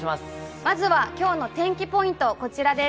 まずは、今日の天気ポイント、こちらです。